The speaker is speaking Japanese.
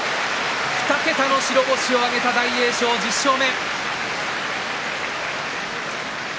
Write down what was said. ２桁の白星を挙げた大栄翔１０勝目。